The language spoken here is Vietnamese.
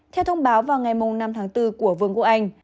theo thông báo vào ngày năm tháng bốn của vương quốc anh